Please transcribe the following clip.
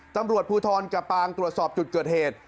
ตำรวจภูทรกระปางตรวจสอบจุดเกิดเหตุ